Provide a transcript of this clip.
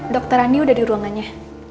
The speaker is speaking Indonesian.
dokter rani udah di ruangannya